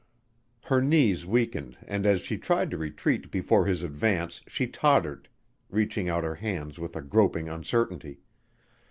Her knees weakened and as she tried to retreat before his advance she tottered, reaching out her hands with a groping uncertainty.